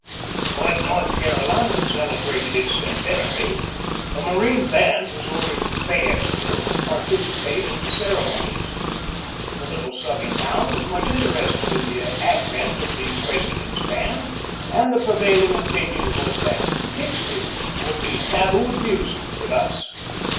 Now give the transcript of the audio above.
When North Carolina celebrated its centenary, the Marine Band was ordered to Fayetteville to participate in the ceremonies. The little Southern town was much interested in the advent of the "President's Band," and the prevailing opinion was that "Dixie" would be tabooed music with us.